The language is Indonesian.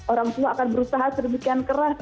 orang tua akan berusaha sedemikian keras